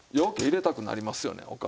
うけ入れたくなりますよね